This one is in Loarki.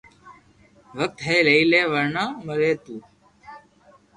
وقت ھي لئي لي ورنہ مري تو